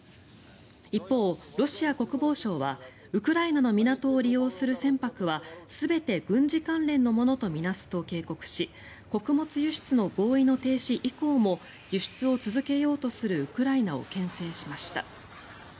一方、ロシア国防省はウクライナの港を利用する船舶は全て軍事関連のものと見なすと警告し穀物輸出の合意の停止以降も輸出を続けようとするウクライナをけん制しました。